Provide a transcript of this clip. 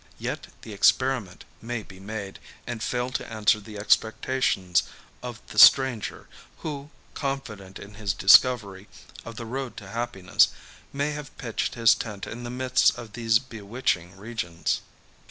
Yet the experiment may be made, and fail to answer the expectations of the stranger, who, confident in his discovery of the road to happiness, may have pitched his tent in the midst of these bewitching regions.